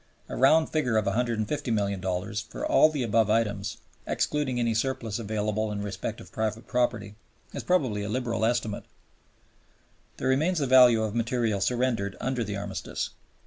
A round figure of $150,000,000 for all the above items, excluding any surplus available in respect of private property, is probably a liberal estimate. Then remains the value of material surrendered under the Armistice.